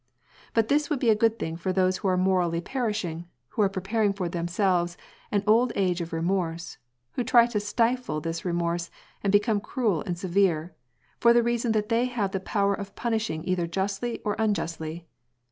But this would be a good thing for those who are morally perishing, who are preparing for them selves an old age of remorse, who try to stifle this remorse and become cruel and severe, for the reason that they have the power of punishing either justly or unjustly.